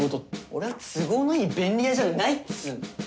俺は都合のいい便利屋じゃないっつぅの！